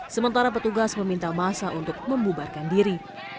sementara petugas meminta masa untuk membubarkan diri